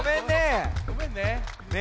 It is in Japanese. ごめんね。